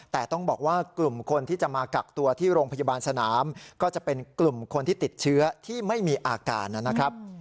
แต่ต้องบอกว่ากลุ่มคนที่จะมากักตัวที่โรงพยาบาลสนามก็จะเป็นกลุ่มคนที่ติดเชื้อที่ไม่มีอาการนะครับ